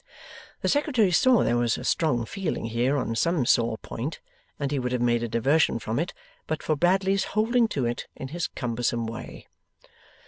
The Secretary saw there was a strong feeling here on some sore point, and he would have made a diversion from it, but for Bradley's holding to it in his cumbersome way.